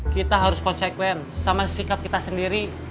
kita harus konsekuen sama sikap kita sendiri